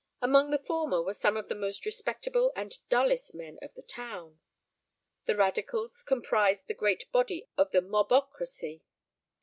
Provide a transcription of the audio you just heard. Amongst the former were some of the most respectable and dullest men of the town: the Radicals comprised the great body of the mob ocracy.